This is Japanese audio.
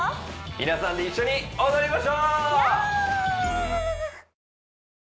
皆さんで一緒に踊りましょう